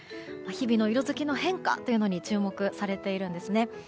日々の色づきの変化が注目されているんですね。